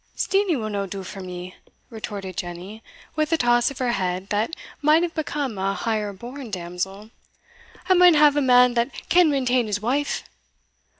"Steenie will no do for me," retorted Jenny, with a toss of her head that might have become a higher born damsel; "I maun hae a man that can mainteen his wife."